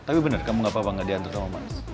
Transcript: tapi bener kamu gak apa apa nggak diatur sama mas